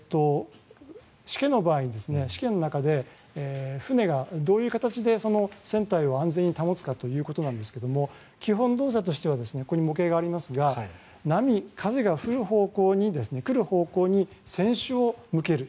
しけの場合船がどういう形で船体を安全に保つかということですが基本動作としてはここに模型がありますが波、風が来る方向に船首を向ける。